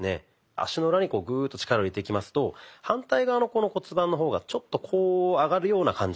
足の裏にグーッと力を入れていきますと反対側の骨盤の方がちょっとこう上がるような感じが。